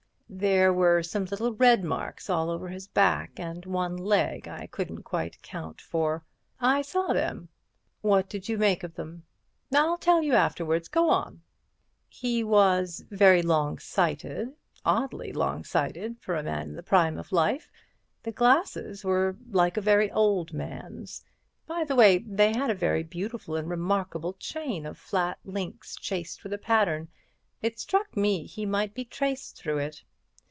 "There were some little red marks all over his back and one leg I couldn't quite account for." "I saw them." "What did you make of them?" "I'll tell you afterwards. Go on." "He was very long sighted—oddly long sighted for a man in the prime of life; the glasses were like a very old man's. By the way, they had a very beautiful and remarkable chain of flat links chased with a pattern. It struck me he might be traced through it."